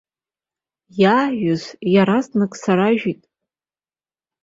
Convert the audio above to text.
Иааҩыз иаразнак саражәит.